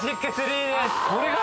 これが？